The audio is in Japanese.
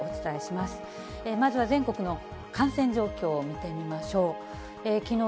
まずは全国の感染状況を見てみましょう。